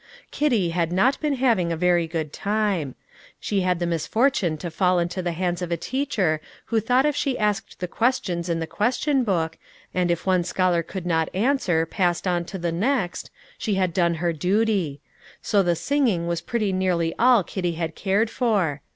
Kitty had not been having a very good time: she had the misfortune to fall into the hands of a teacher who thought if she asked the questions in the question book, and if one scholar could not answer, passed on to the next, she had done her duty. So the singing was pretty nearly all Kitty had cared for.